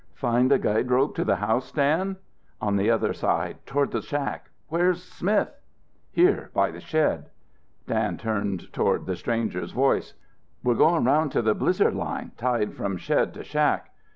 "Find the guide rope to the house, Dan?" "On the other side, toward the shack. Where's Smith?" "Here, by the shed." Dan turned toward the stranger's voice. "We're going 'round to the blizzard line tied from shed to shack.